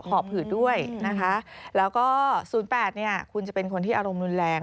หอบหืดด้วยนะคะแล้วก็๐๘เนี่ยคุณจะเป็นคนที่อารมณ์รุนแรง